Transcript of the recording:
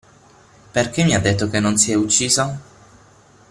Perché mi ha detto che non si è uccisa?